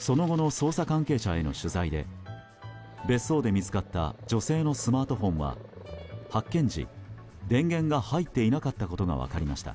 その後の捜査関係者への取材で別荘で見つかった女性のスマートフォンは発見時、電源が入っていなかったことが分かりました。